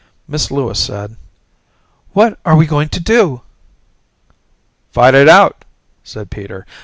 Miss Lewis said, "What are we going to do?" "Fight it out," said Peter.